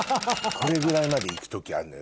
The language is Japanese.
これぐらいまで行く時あんのよ